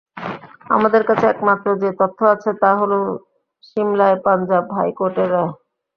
আমাদের কাছে একমাত্র যে তথ্য আছে তা হলো সিমলায় পাঞ্জাব হাইকোর্টের রায়।